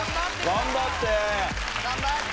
頑張って。